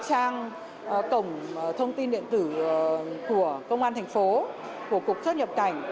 trang cổng thông tin điện tử của công an thành phố của cục xuất nhập cảnh